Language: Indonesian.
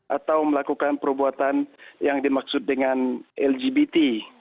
atau melakukan perbuatan yang dimaksud dengan lgbt